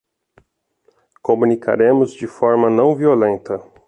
Comunicaremos de forma não violenta